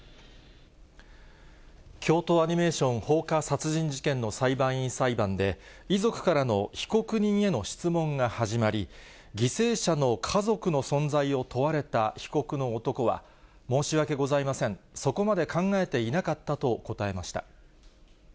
京都アニメーション放火殺人事件の裁判員裁判で、遺族からの被告人への質問が始まり、犠牲者の家族の存在を問われた被告の男は、申し訳ございません、そこまで考えていなかったと答えました。